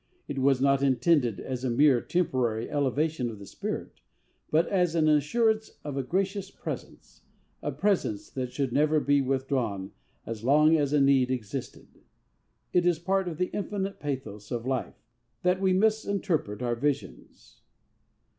It was not intended as a mere temporary elevation of the spirit, but as an assurance of a gracious presence a presence that should never be withdrawn as long as a need existed. It is part of the infinite pathos of life that we misinterpret our visions.